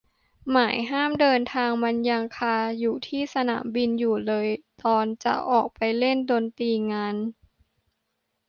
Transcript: หมายห้ามเดินทางมันยังคาอยู่ที่สนามบินอยู่เลยตอนจะออกไปเล่นดนตรีงาน